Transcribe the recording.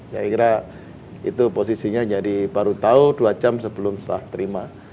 saya kira itu posisinya jadi baru tahu dua jam sebelum setelah terima